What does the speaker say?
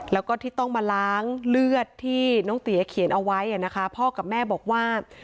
แล้วก็ที่ต้องมาล้างเลือดที่น้องเตี๋ยเขียนเอาไว้นะคะพ่อกับแม่บอกว่า